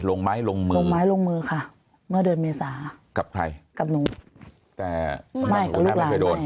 ลงไม้ลงมือลงไม้ลงมือค่ะเมื่อเดือนเมษากับใครกับหนูแต่ไม่กับลูกหลานไปโดน